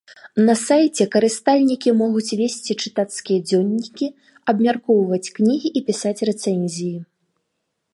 На сайце карыстальнікі могуць весці чытацкія дзённікі, абмяркоўваць кнігі і пісаць рэцэнзіі.